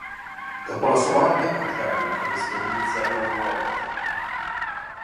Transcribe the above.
Dopo la sua morte partirà con Chris per iniziare una nuova vita.